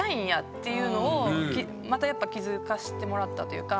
っていうのをまたやっぱ気付かしてもらったというか。